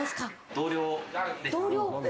同僚です。